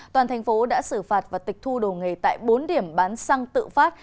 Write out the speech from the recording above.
toàn thành phố đã xử phạt và tịch thu đồ nghề tại bốn điểm bán xăng tự phát